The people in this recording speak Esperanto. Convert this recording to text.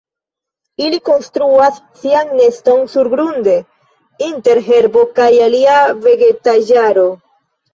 Ili konstruas sian neston surgrunde inter herbo kaj alia vegetaĵaro.